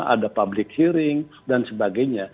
ada public hearing dan sebagainya